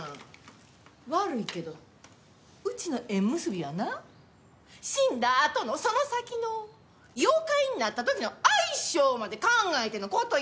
悪いけどうちの縁結びはな死んだあとのその先の妖怪になった時の相性まで考えての事やんか。